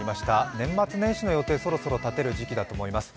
年末年始の予定、そろそろ立てる時期だと思います。